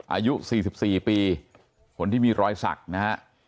อายุ๔๔ปีคนที่มีรอยสักนะฮะ